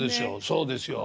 そうですよ。